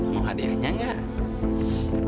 mau hadiahnya gak